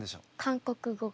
韓国語が。